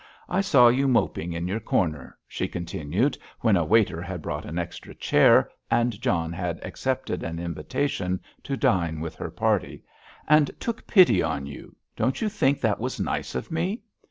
"I saw you moping in your corner," she continued, when a waiter had brought an extra chair and John had accepted an invitation to dine with her party, "and took pity on you; don't you think that was nice of me?"